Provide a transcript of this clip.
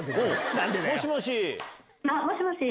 もしもし。